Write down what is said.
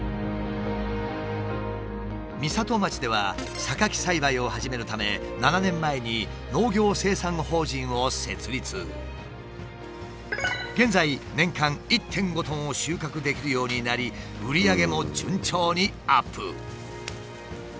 美里町ではサカキ栽培を始めるため７年前に現在年間１．５ｔを収穫できるようになり売り上げも順調にアップ。